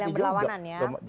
dapil dapil yang berlawanan ya